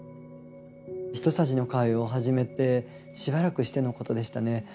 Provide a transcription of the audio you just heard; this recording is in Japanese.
ひとさじの会を始めてしばらくしてのことでしたね。